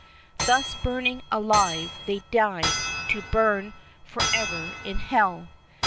Thus burning alive they died, to burn forever in hell.